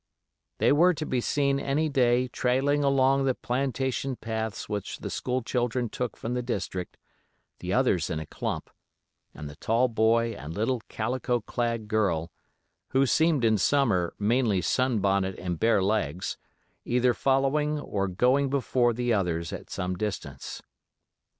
They were to be seen any day trailing along the plantation paths which the school children took from the district, the others in a clump, and the tall boy and little calico clad girl, who seemed in summer mainly sun bonnet and bare legs, either following or going before the others at some distance.